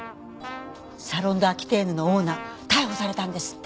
サロン・ド・アキテーヌのオーナー逮捕されたんですって。